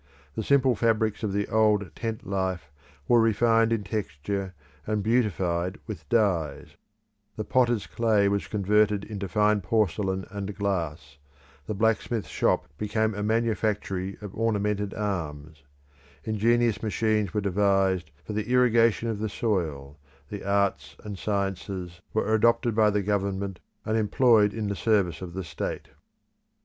The simple fabrics of the old tent life were refined in texture and beautified with dyes; the potter's clay was converted into fine porcelain and glass, the blacksmith's shop became a manufactory of ornamented arms; ingenious machines were devised for the irrigation of the soil the arts and sciences were adopted by the government, and employed in the service of the state.